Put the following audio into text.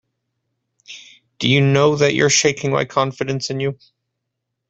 Do you know that you are shaking my confidence in you.